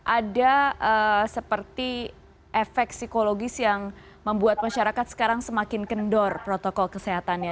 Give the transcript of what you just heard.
ada seperti efek psikologis yang membuat masyarakat sekarang semakin kendor protokol kesehatannya